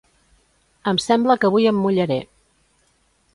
Em sembla que avui em mullaré